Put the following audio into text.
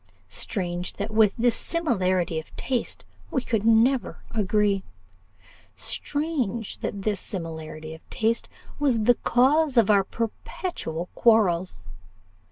Strange, that with this similarity of taste we could never agree! strange, that this similarity of taste was the cause of our perpetual quarrels!